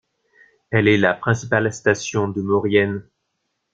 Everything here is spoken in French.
Elle est la principale station de Maurienne.